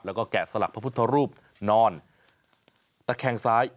แล้วก็แกะสลักพระพุทธรูปนอนตะแคงซ้าย